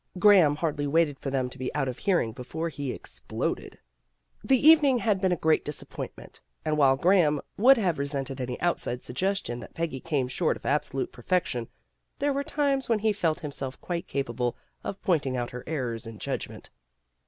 Graham hardly waited for them to be out of hearing before he exploded. The evening had been a great disappointment, and while Graham would have resented any outside suggestion that Peggy came short of absolute perfection, there were times when he felt himself quite capable of pointing out her errors in judgment.